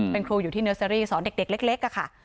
เป็นครูอยู่ที่เนอร์เซอรี่สอนเด็กเล็กค่ะ